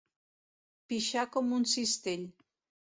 Pixar com un cistell.